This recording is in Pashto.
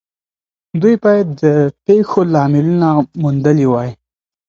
دوی بايد د پېښو لاملونه موندلي وای.